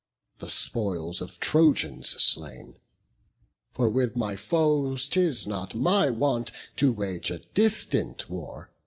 The spoil of Trojans slain; for with my foes 'Tis not my wont to wage a distant war.